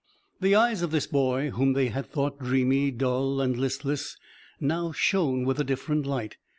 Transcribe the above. The eyes of this boy, whom they had thought dreamy, dull and listless, now shone with a different light.